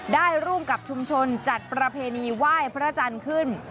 ได้ร่วมกับชุมชนจัดประเพณีไหว้พระจันทร์ขึ้น